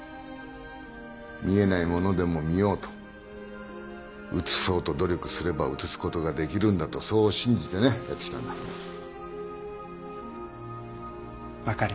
見えないものでも見ようと写そうと努力すれば写すことができるんだとそう信じてねやってきたんだ。